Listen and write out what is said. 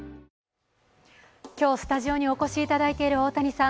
今日、スタジオにお越しいただいている大谷さん。